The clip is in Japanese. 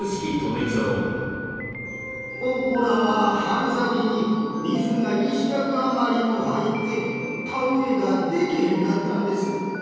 ここらは春先に水が１尺余りも入って田植えがでけへんかったんです。